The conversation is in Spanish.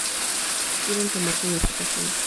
Quiere tomarse unas vacaciones.